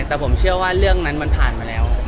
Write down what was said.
แต่ผมเชื่อว่าเรื่องนั้นมันผ่านมาแล้ว